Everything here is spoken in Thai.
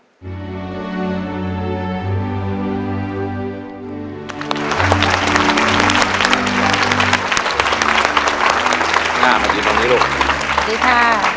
สวัสดีค่ะ